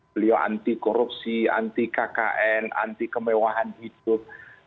beliau anti korupsi anti kkn anti kemewahan hidup